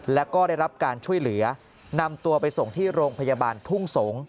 แล้วก็ได้รับการช่วยเหลือนำตัวไปส่งที่โรงพยาบาลทุ่งสงศ์